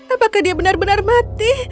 apakah dia benar benar mati